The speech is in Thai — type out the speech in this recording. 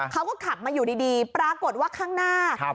เขาก็ขับมาอยู่ดีปรากฏว่าข้างหน้า